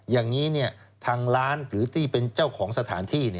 อย่างนี้ทางร้านหรือที่เป็นเจ้าของสถานที่